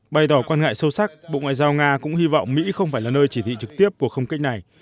bày tỏ quan ngại sâu sắc bộ ngoại giao nga cũng hy vọng mỹ không phải là nơi chỉ thị trực tiếp của không kích này